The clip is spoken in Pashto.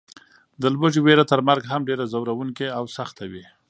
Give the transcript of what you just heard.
د لوږې وېره تر مرګ هم ډېره ځوروونکې او سخته وي.